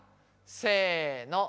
せの。